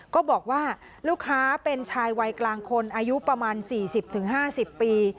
ก็บอกว่าลูกค้าเป็นชายวัยกลางคนอายุประมาณสี่สิบถึงห้าสิบปี